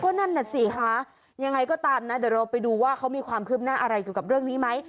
นั่นน่ะสิคะยังไงก็ตามนะเดี๋ยวเราไปดูว่าเขามีความคืบหน้าอะไรเกี่ยวกับเรื่องนี้ไหม